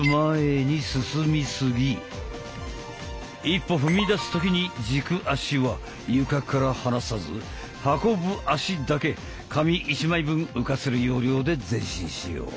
一歩踏み出す時に軸足は床から離さず運ぶ足だけ紙１枚分浮かせる要領で前進しよう。